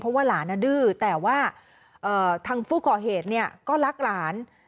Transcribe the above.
เพราะว่าหลานดื้อแต่ว่าทางผู้ก่อเหตุก็รักหลาน